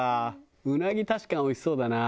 うなぎ確かにおいしそうだな。